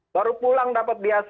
baru pulang dapat biasis